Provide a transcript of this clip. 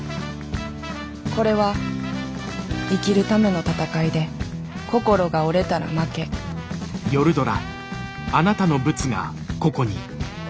これは生きるための戦いで心が折れたら負けヤッバ。